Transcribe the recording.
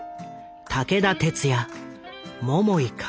武田鉄矢桃井かおり